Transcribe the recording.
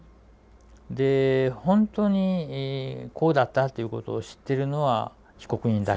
で本当にこうだったということを知ってるのは被告人だけなの。